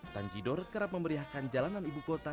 tanjidor kerap memeriahkan jalanan ibu kota